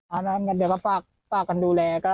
อ้าวนั่นกันเดี๋ยวฝากกันดูแล